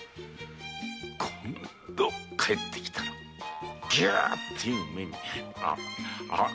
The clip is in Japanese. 今度帰ってきたらギューッという目に遭わあわ！